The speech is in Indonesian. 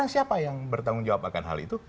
siapa yang bertanggung jawab akan hal itu